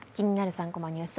３コマニュース」